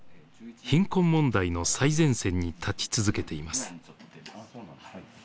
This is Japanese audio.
貧困問題の最前線に立ち続けています。